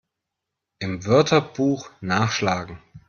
Im Wörterbuch nachschlagen!